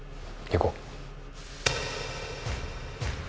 行こう！